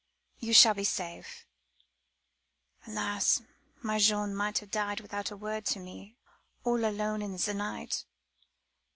You shall be safe. Alas! my Jean might have died without a word to me all alone in the night.